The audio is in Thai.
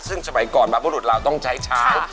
ซึ่งสมัยก่อนบรรพบุรุษเราต้องใช้ช้าง